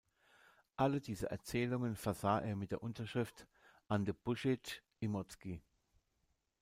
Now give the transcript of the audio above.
Alle diese Erzählungen versah er mit der Unterschrift "Ante Bušić, Imotski".